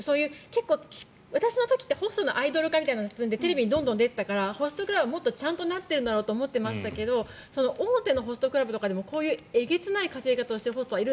結構、私の時ってホストのアイドル化が進んでいてテレビにどんどん出てたからホストクラブもちゃんとなっていると思っていましたが大手のホストクラブとかでもこういうえげつない稼ぎ方をしているところはある？